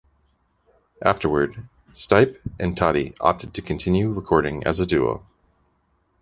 Afterward, Stipe and Totty opted to continue recording as a duo.